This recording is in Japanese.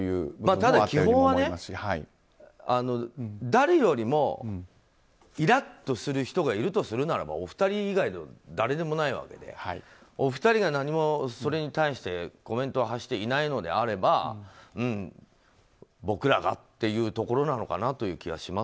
ただ、基本はね誰よりもイラッとする人がいるとするならばお二人以外の誰でもないわけでお二人が、それに対して何もコメントを発していないのであれば僕らがっていうところなのかな